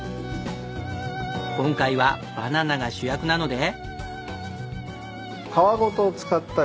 今回はバナナが主役なので。